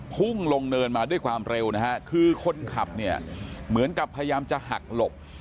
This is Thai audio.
พุ่งลงเนินมาด้วยความเร็วนะฮะคือคนขับเนี่ยเหมือนกับพยายามจะหักหลบ